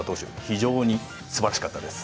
非常に素晴らしかったです。